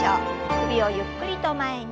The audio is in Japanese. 首をゆっくりと前に。